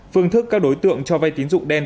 phương thức các đối tượng cho vay tín dụng đen